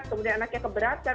kemudian anaknya keberatan